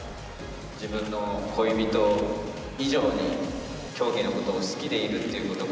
自分の恋人以上に競技のことを好きでいるということが、